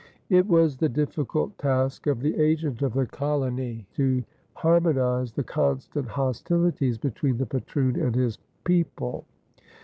It was the difficult task of the agent of the colony to harmonize the constant hostilities between the patroon and his "people."